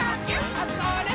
あ、それっ！